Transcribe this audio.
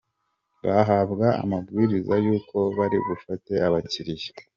Bahabwa amabwiriza y’uko bari bufate abakiliya